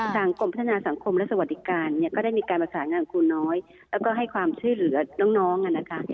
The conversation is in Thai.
กรมพัฒนาสังคมและสวัสดิการเนี่ยก็ได้มีการประสานงานครูน้อยแล้วก็ให้ความช่วยเหลือน้องนะคะ